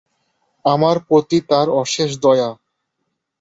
আমার প্রতি তাঁর অশেষ দয়া।